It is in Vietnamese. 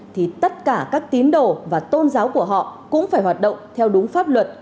thì tất cả các tín đồ và tôn giáo của họ cũng phải hoạt động theo đúng pháp luật